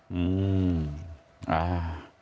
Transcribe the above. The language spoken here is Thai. อืมอ่า